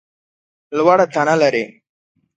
لوړه تنه لرې !